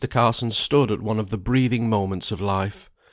Carson stood at one of the breathing moments of life.